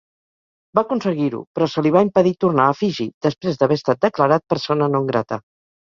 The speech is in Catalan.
Va aconseguir-ho, però se li va impedir tornar a Fiji, després d'haver estat declarat persona non grata.